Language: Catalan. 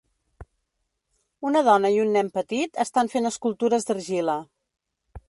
Una dona i un nen petit estan fent escultures d'argila.